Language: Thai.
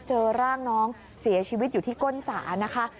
เจอร่างน้องเสียชีวิตอยู่ที่ก้นสานะคะ